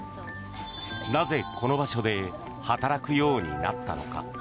なぜ、この場所で働くようになったのか。